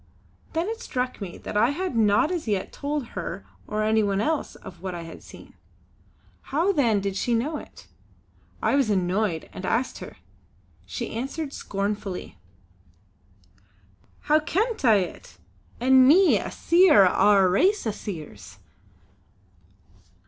Then it struck me that I had not as yet told her or any one else of what I had seen. How then did she know it? I was annoyed and asked her. She answered scornfully: "How kent I it, an' me a Seer o' a race o' Seers!